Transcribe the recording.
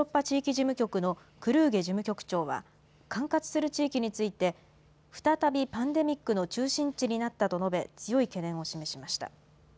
ＷＨＯヨーロッパ地域事務局のクルーゲ事務局長は、管轄する地域について、再びパンデミックの中心地になったと述べ、強い懸念を示しました。